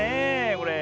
これ。